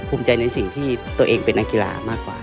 ภูมิใจในสิ่งที่ตัวเองเป็นนักกีฬามากกว่า